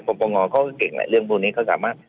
ปปงเขาก็เก่งแหละเรื่องพวกนี้เขาสามารถ